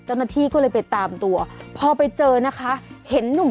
เจ้าหน้าที่ก็เลยไปตามตัวพอไปเจอนะคะเห็นหนุ่ม